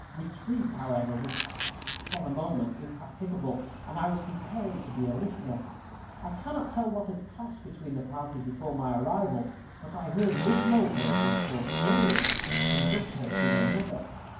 Retreat, however, was for the moment impracticable, and I was compelled to be a listener. I cannot tell what had passed between the parties before my arrival, but I heard Miss Mowbray implore Sir Luke to conduct her to her mother.